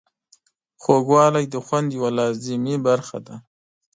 خوږوالی د خوند یوه لازمي برخه ده.